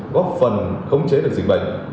góp phần khống chế được dịch bệnh